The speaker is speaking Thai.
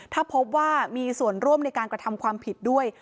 ถ้าพบว่ามีส่วนร่วมในการกระทำความผิดด้วย